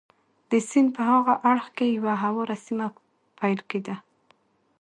د سیند په هاغه اړخ کې یوه هواره سیمه پیل کېده.